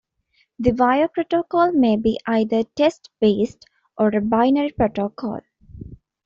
The wire protocol may be either text-based or a binary protocol.